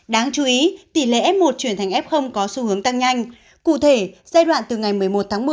đáng chú ý tỷ lệ f một chuyển thành f có xu hướng tăng nhanh cụ thể giai đoạn từ ngày một mươi một tháng một mươi